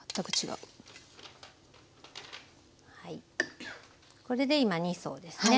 はいこれで今２層ですね。